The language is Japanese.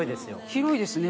広いですね